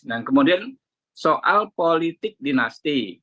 dan kemudian soal politik dinasti